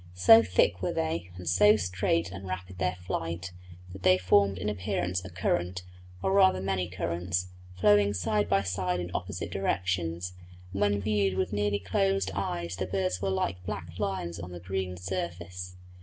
So thick were they, and so straight and rapid their flight, that they formed in appearance a current, or rather many currents, flowing side by side in opposite directions; and when viewed with nearly closed eyes the birds were like black lines on the green surface.